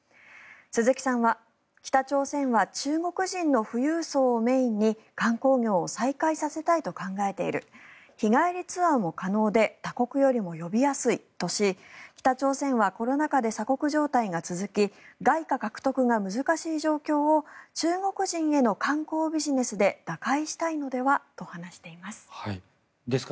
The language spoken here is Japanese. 鈴木さんは北朝鮮は中国人の富裕層をメインに観光業を再開させたいと考えている日帰りツアーも可能で他国よりも呼びやすいとし北朝鮮はコロナ禍で鎖国状態が続き外貨獲得が難しい状況を中国人への観光ビジネスで打開したいのではと話しています。